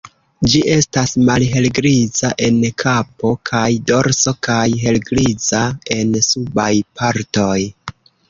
Ĝi estas malhelgriza en kapo kaj dorso kaj helgriza en subaj partoj.